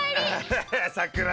ハッハさくら